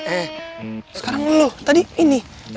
eh sekarang ngeluh tadi ini